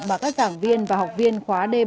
mà các giảng viên và học viên khóa d ba mươi bốn